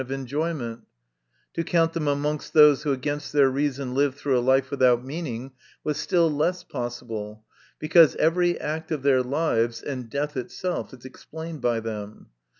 81 of enjoyment ; to count them amongst those who, against their reason, live through a life without meaning, was still less possible, because every act of their lives, and death itself, is explained by them.